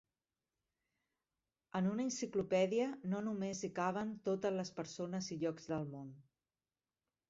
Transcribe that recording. En una enciclopèdia no només hi caben totes les persones i llocs del món.